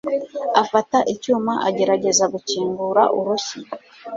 Afata icyuma, agerageza gukingura urushyi.